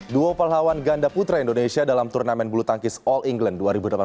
duo pahlawan ganda putra indonesia dalam turnamen bulu tangkis all england dua ribu delapan belas